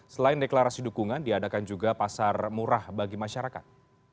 selain deklarasi dukungan diadakan juga pasar murah bagi masyarakat